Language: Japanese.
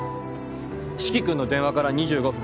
四鬼君の電話から２５分。